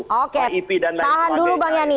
ip dan lain sebagainya tahan dulu bang yanni